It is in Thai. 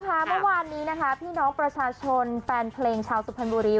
เมื่อวานนี้นะคะพี่น้องประชาชนแฟนเพลงชาวสุพรรณบุรี